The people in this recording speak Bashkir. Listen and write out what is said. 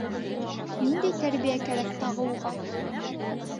— Ниндәй тәрбиә кәрәк тағы уға?!